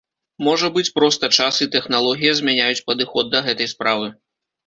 Можа быць проста час і тэхналогія змяняюць падыход да гэтай справы.